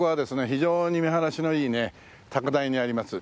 非常に見晴らしのいいね高台にあります